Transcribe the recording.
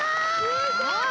すごい！